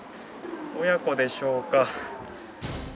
親子でしょうか。